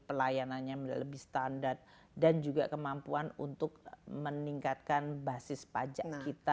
pelayanannya lebih standar dan juga kemampuan untuk meningkatkan basis pajak kita